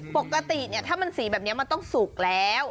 ปกติถ้ามันสีแบบนี้มันต้องสุกแล้ว